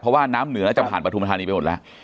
เพราะว่าน้ำเหนือน่าจะผ่านปฐุมธานีไปหมดแล้ว